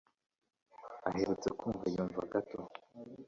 Aherutse kumva yumva gato.